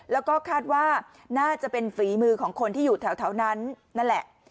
แล้วก็คาดว่าน่าจะเป็นฝีมือของคนที่อยู่แถวนั้นนั่นแหละ